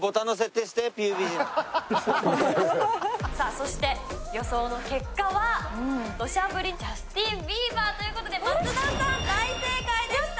そして予想の結果は土砂降りジャスティン・ビーバーということで松田さん大正解でした！